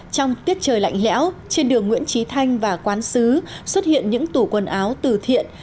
trong tiết trời lạnh lẽo trên đường nguyễn trí thanh và quán sứ xuất hiện những tủ quần áo từ thiện